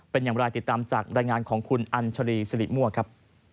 เป็นอย่างไรติดตามจากรายงานของคุณอัญชรีสิริมั่วครับ